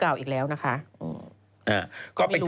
ปลาหมึกแท้เต่าทองอร่อยทั้งชนิดเส้นบดเต็มตัว